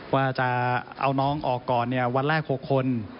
ว่าจะเอาน้องออกก่อนวันแรก๖คน